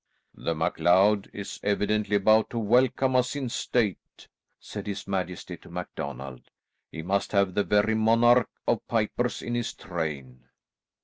"The MacLeod is evidently about to welcome us in state," said his majesty to MacDonald, "he must have the very monarch of pipers in his train."